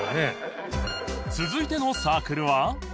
続いてのサークルは